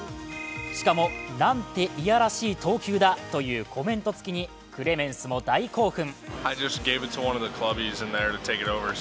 しかも「なんて嫌らしい投球だ」というコメントつきにクレメンスも大興奮。